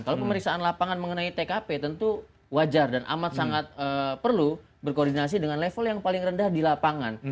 kalau pemeriksaan lapangan mengenai tkp tentu wajar dan amat sangat perlu berkoordinasi dengan level yang paling rendah di lapangan